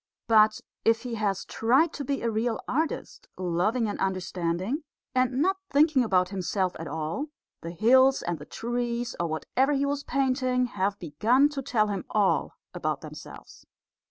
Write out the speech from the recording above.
But if he has tried to be a real artist, loving and understanding, and not thinking about himself at all, the hills and the trees, or whatever he was painting, have begun to tell him all about themselves.